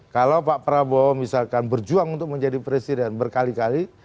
kalau pak prabowo misalkan berjuang untuk menjadi presiden berkali kali